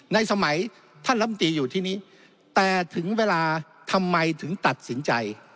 ในสมัยท่านลำตีอยู่ที่นี้แต่ถึงเวลาทำไมถึงตัดสินใจ